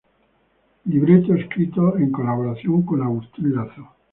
Libreto escrito en colaboración con Agustín Lazo.